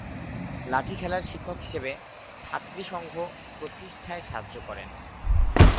লাঠি খেলার শিক্ষক হিসেবে "ছাত্রী সংঘ" প্রতিষ্ঠায় সাহায্য করেন।